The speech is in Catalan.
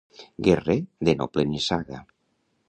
Guerrer de noble nissaga.